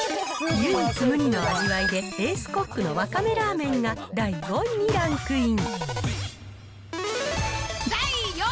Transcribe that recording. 唯一無二の味わいで、エースコックのわかめラーメンが第５位にランクイン。